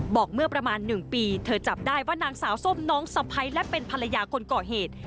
บอกเมื่อประมาณ๑ปีเธอจับได้ว่านางสาวส้มน้องสะพ้ายและเป็นภรรยาคนก่อเหตุ